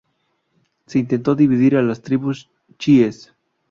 Se intentó dividir a las tribus chiíes.